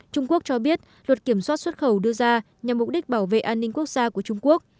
trung quốc cho biết luật kiểm soát xuất khẩu đưa ra nhằm mục đích bảo vệ an ninh quốc gia của trung quốc